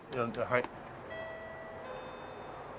「はい」